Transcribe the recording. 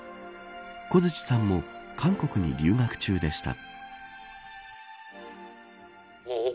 小槌さんも韓国に留学中でした。